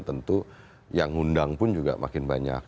tentu yang ngundang pun juga makin banyak